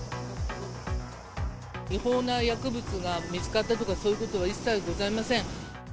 違法な薬物が見つかったとか、そういうことは一切ございません。